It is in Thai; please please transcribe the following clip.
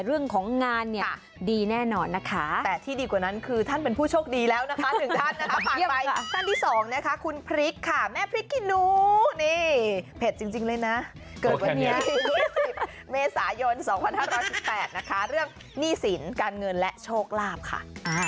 เรื่องหนี้สินการเงินและโชคลาบค่ะ